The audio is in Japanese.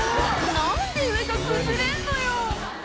何で上が崩れんのよ」